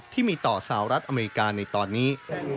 ที่มีต่อสหรัฐอเมริกาในตอนนี้